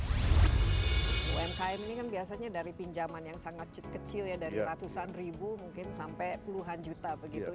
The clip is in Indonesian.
umkm ini kan biasanya dari pinjaman yang sangat kecil ya dari ratusan ribu mungkin sampai puluhan juta begitu